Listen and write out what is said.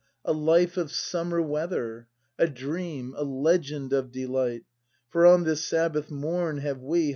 A life of summer weather, A dream, a legend of delight. For on this Sabbath morn have we.